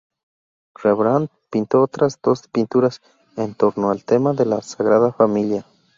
Rembrandt pintó otras dos pinturas en torno al tema de la Sagrada Familia.